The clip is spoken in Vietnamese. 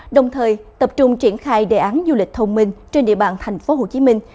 đồng thời tập trung triển khai đề án du lịch thông minh trên địa bàn thành phố hồ chí minh